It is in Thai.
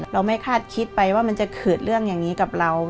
ไม่คาดคิดไปว่ามันจะเกิดเรื่องอย่างนี้กับเรา